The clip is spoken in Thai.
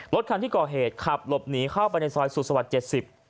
รถคันที่ก่อเหตุขับหลบหนีเข้าไปในซอยสุขสวรรค์๗๐